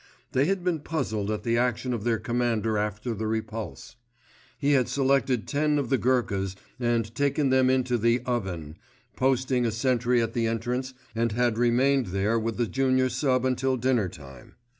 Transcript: They had been puzzled at the action of their commander after the repulse. He had selected ten of the Gurkhas and taken them into the "Oven," posting a sentry at the entrance and had remained there with the junior sub. until dinner time.